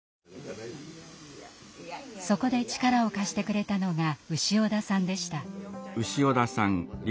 そこで力を貸してくれたのが潮田さんでした。